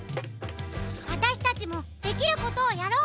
あたしたちもできることをやろう！